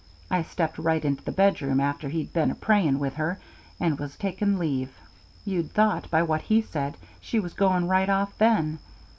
I stepped right into the bedroom after he'd been prayin' with her, and was taking leave. You'd thought, by what he said, she was going right off then.